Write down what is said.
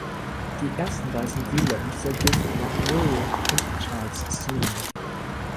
Die ersten weißen Siedler in dieser Gegend waren William und Charles Sneed.